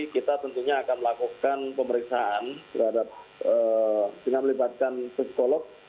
kita tentunya akan melakukan pemeriksaan dengan melibatkan psikolog